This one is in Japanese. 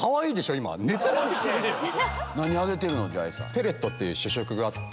ペレットって主食があって。